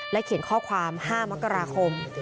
เขียนข้อความ๕มกราคม